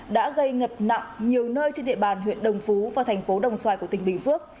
đã gây ngập nặng nhiều nơi trên địa bàn huyện đồng phú và thành phố đồng xoài của tỉnh bình phước